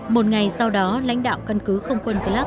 một ngày sau đó lãnh đạo căn cứ không quân clab